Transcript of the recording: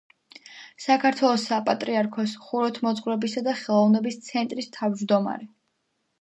საქართველოს საპატრიარქოს ხუროთმოძღვრებისა და ხელოვნების ცენტრის თავმჯდომარე.